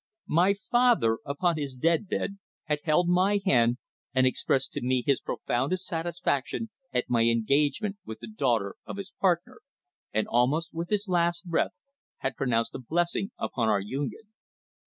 My father, upon his deathbed, had held my hand and expressed to me his profoundest satisfaction at my engagement with the daughter of his partner, and almost with his last breath had pronounced a blessing upon our union.